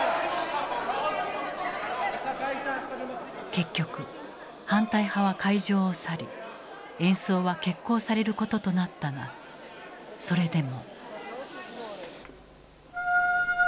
結局反対派は会場を去り演奏は決行されることとなったがそれでも。